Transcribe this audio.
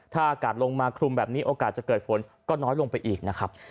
ถ้าอากาศลงมาคลุมแบบนี้โอกาสจะเกิดฝนก็น้อยลงไปอีกนะครับ